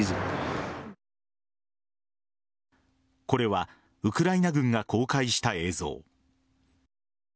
これはウクライナ軍が公開した映像。